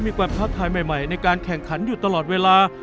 มีความประทายใหม่ในการแข่งขันอยู่ตลอดเวลา